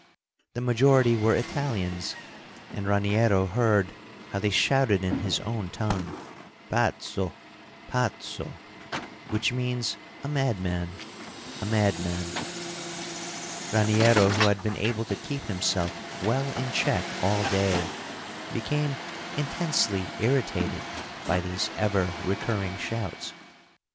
The majority were Italians; and Raniero heard how they shouted in his own tongue, "Pazzo, pazzo!" which means "a madman, a madman." Raniero, who had been able to keep himself well in check all day, became intensely irritated by these ever recurring shouts.